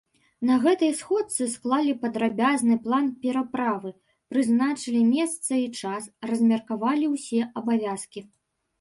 На гэтай сходцы склалі падрабязны план пераправы, прызначылі месца і час, размеркавалі ўсе абавязкі.